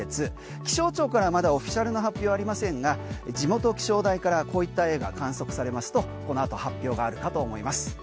気象庁からまだオフィシャルの発表ありませんが地元気象台からこういった画が観測されますとこのあと発表があるかと思います。